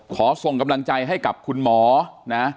ขอส่งกำลังใจให้กับคุณหมอนะ